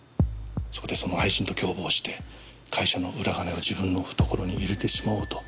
そこでその愛人と共謀して会社の裏金を自分の懐に入れてしまおうと計画したのではないかと。